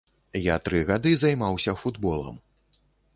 Я тры гады займаўся футболам.